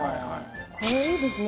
これいいですね。